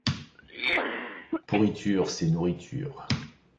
Pourriture, c’est nourriture.